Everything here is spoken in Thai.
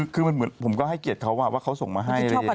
คือผมก็ให้เกียรติเขาว่าเขาส่งมาให้อะไรอย่างนี้